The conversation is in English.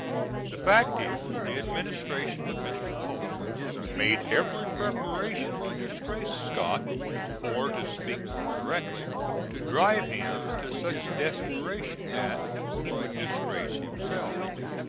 The fact is, the administration of Mr. Polk made every preparation to disgrace Scott, or, to speak more correctly, to drive him to such desperation that he would disgrace himself.